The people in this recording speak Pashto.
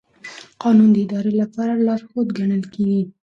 قانون د ادارې لپاره لارښود ګڼل کېږي.